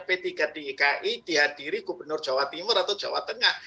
p tiga dki dihadiri gubernur jawa timur atau jawa tengah